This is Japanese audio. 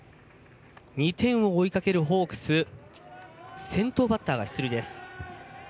２点を追いかけるホークス先頭バッターが出塁です。